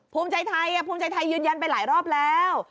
ภูมิใจไทยภูมิใจไทยยืนยันไปหลายรอบแล้ว